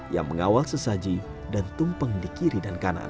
yang mengawal sesaji dan tumpeng di kiri dan kanan